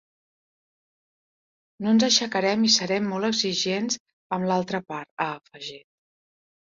No ens aixecarem i serem molt exigents amb l’altra part, ha afegit.